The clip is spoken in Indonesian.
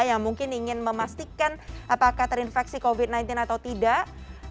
yang mungkin ingin memastikan apakah terinfeksi covid sembilan belas atau tidak